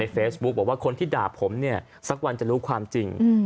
เฟซบุ๊คบอกว่าคนที่ด่าผมเนี่ยสักวันจะรู้ความจริง